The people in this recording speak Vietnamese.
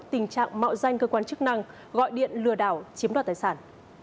tình trạng mạo danh cơ quan chức năng gọi điện lừa đảo chiếm đoạt tài sản